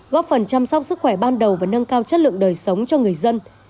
góp phần chăm sóc sức khỏe ban đầu và nâng cao chất lượng đời sống cho người dân